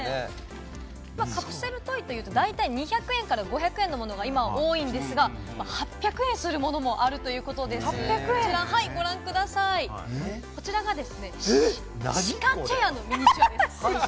カプセルトイというと大体２００円から５００円のものが今多いんですが、８００円するものもあるということで、こちらご覧ください、こちらがですね、歯科チェアのミニチュアです。